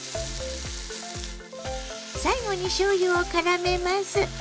最後にしょうゆをからめます。